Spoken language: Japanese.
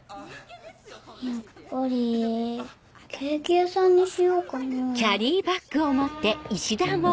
やっぱりケーキ屋さんにしようかな。